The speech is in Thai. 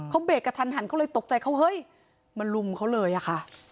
เขาเบรกกระทันหันเขาเลยตกใจเขาเฮ้ยมาลุมเขาเลยอะค่ะ